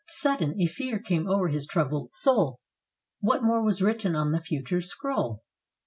Sudden, a fear came o'er his troubled soul. What more was written on the Future's scroll?